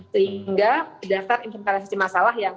sehingga daftar inventarisasi masalah yang